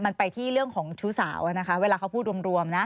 มันไปที่เรื่องของชู้สาวนะคะเวลาเขาพูดรวมนะ